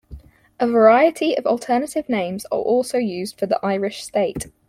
A variety of alternative names are also used for the Irish state.